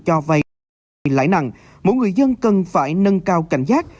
cho vay lãi nặng mỗi người dân cần phải nâng cao cảnh giác